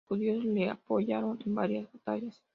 Los judíos le apoyaron en varias batallas.